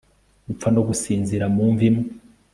gupfa no gusinzira mu mva imwe